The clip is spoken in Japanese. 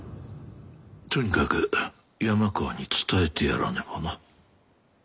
とにかく山川に伝えてやらねばな。